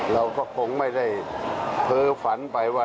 เราก็คงไม่ได้เพ้อฝันไปว่า